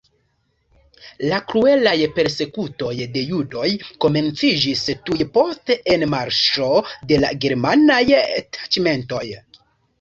La kruelaj persekutoj de judoj komenciĝis tuj post enmarŝo de la germanaj taĉmentoj.